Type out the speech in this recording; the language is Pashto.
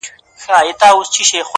ولي مي هره شېبه” هر ساعت پر اور کړوې”